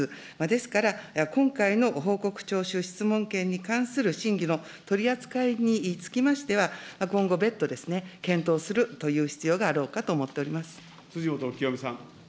ですから、今回の報告徴収質問権に関する審議の取り扱いにつきましては、今後別途、検討するという必要があろうかと思っております。